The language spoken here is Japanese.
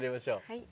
はい。